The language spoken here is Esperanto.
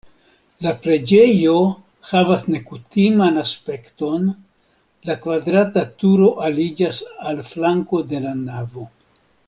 La preĝejo havas nekutiman aspekton, la kvadrata turo aliĝas al flanko de la navo.